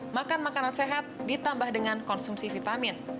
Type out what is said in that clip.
makan makanan sehat ditambah dengan konsumsi vitamin